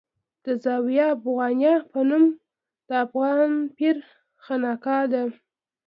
د زاویه افغانیه په نامه د افغان پیر خانقاه ده.